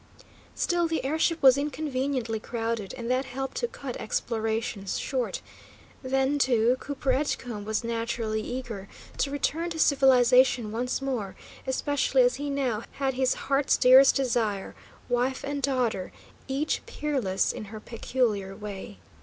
Still, the air ship was inconveniently crowded, and that helped to cut explorations short. Then, too, Cooper Edgecombe was naturally eager to return to civilisation once more, especially as he now had his heart's dearest desire, wife and daughter, each peerless in her peculiar way.